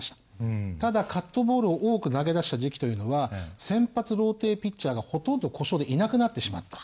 ただカットボールを多く投げ出した時期というのは先発ローテピッチャーがほとんど故障でいなくなってしまった。